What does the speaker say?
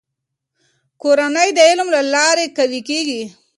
کورنۍ د علم له لارې قوي کېږي.